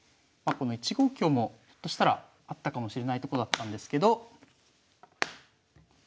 まあこの１五香もひょっとしたらあったかもしれないとこだったんですけど。